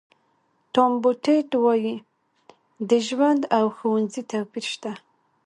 ټام بوډیټ وایي د ژوند او ښوونځي توپیر شته.